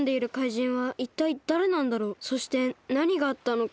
そしてなにがあったのか。